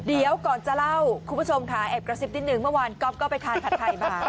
เดี๋ยวก่อนจะเล่าคุณผู้ชมค่ะแอบกระซิบนิดนึงเมื่อวานก๊อฟก็ไปทานผัดไทยมา